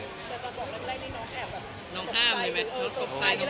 แต่ตอนบอกแบบนี้น้องข้าอะปรุงชัยอะไรกัน